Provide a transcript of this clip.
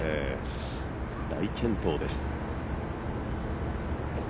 大健闘です。